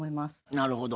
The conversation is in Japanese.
なるほど。